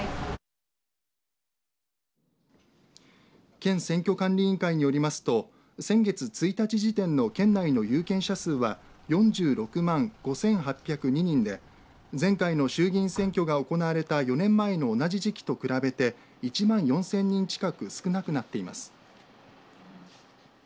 県選挙管理委員会によりますと先月１日時点の県内の有権者数は４６万５８０２人で前回の衆議院選挙が行われた４年前の同じ時期と比べて１万４０００人近く少なくなっています。